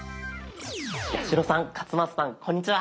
八代さん勝俣さんこんにちは。